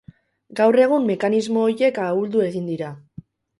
Gaur egun mekanismo horiek ahuldu egin dira.